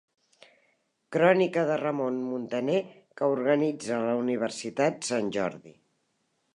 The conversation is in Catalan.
Crònica de Ramon Muntaner que organitza la Universitat Sant Jordi.